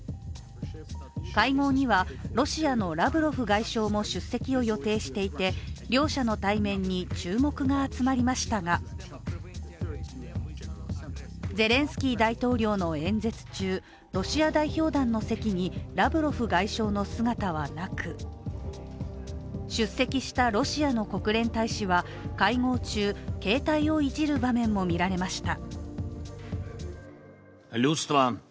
会合にはロシアのラブロフ外相も出席を予定していて両者の対面に注目が集まりましたがゼレンスキー大統領の演説中ロシア代表団の席にラブロフ外相の姿はなく出席したロシアの国連大使は会合中、携帯をいじる場面も見られました。